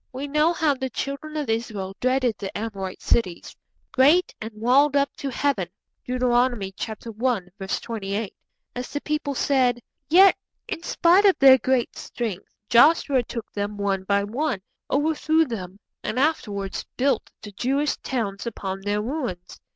We know how the Children of Israel dreaded the Amorite cities. 'Great and walled up to Heaven' (Deuteronomy i. 28), as the people said. Yet, in spite of their great strength, Joshua took them one by one, overthrew them, and afterwards built the Jewish towns upon their ruins.